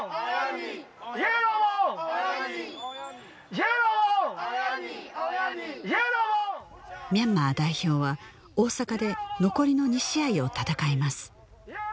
ミャンマーではだからミャンマー代表は大阪で残りの２試合を戦います